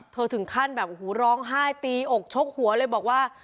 ถึงขั้นแบบโอ้โหร้องไห้ตีอกชกหัวเลยบอกว่า